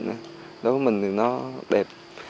đối với mình thì nó đẹp